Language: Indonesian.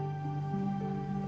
saya pak yang seharusnya minta maaf